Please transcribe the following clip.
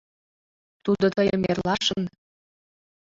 Тудо тыйым эрлашын